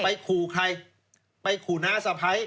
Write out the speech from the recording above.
ไปคู่ใครไปคู่น้าสะไพร